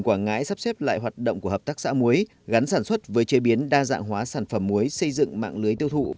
quảng ngãi sắp xếp lại hoạt động của hợp tác xã muối gắn sản xuất với chế biến đa dạng hóa sản phẩm muối xây dựng mạng lưới tiêu thụ